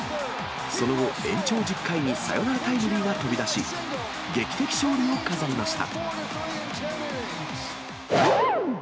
その後、延長１０回にサヨナラタイムリーが飛び出し、劇的勝利を飾りました。